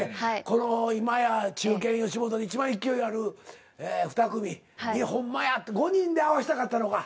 この今や中堅吉本のいちばん勢いのある２組に「ほんまや！」って５人で合わせたかったのか。